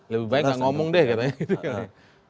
lebih baik gak ngomong deh katanya